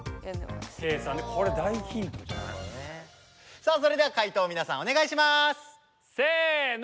さあそれでは解答みなさんおねがいします！せの！